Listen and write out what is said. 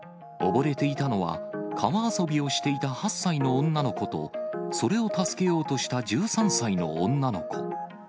溺れていたのは、川遊びをしていた８歳の女の子と、それを助けようとした１３歳の女の子。